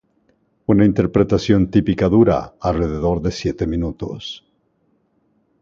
Una interpretación típica dura alrededor de siete minutos.